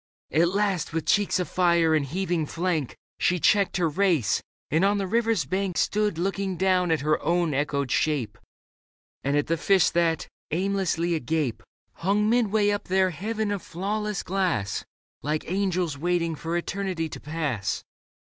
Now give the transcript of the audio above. At last, with cheeks afire and heaving flank, She checked her race, and on the river's bank Stood looking down at her own echoed shape And at the fish that, aimlessly agape. Hung midway up their heaven of flawless glass. Like angels waiting for eternity to pass.